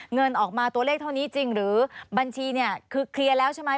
เงินออกมาตัวเลขเท่านี้จริงหรือบัญชีเนี่ยคือเคลียร์แล้วใช่ไหม